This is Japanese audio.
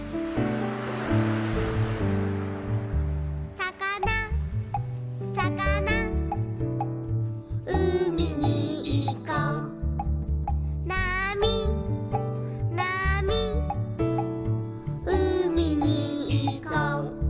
「さかなさかな」「うみにいこう」「なみなみ」「うみにいこう」